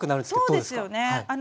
そうですよね。